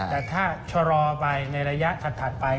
แต่ถ้าชะลอไปในระยะถัดไป